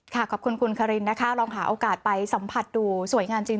ขอบคุณคุณคารินนะคะลองหาโอกาสไปสัมผัสดูสวยงามจริง